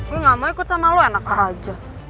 gue gak mau ikut sama lo enak aja